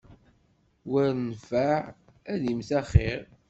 War nnfeɛ ad immet axiṛ.